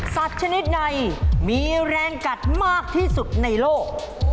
สัตว์ชนิดไหนมีแรงกัดมากที่สุดในโลก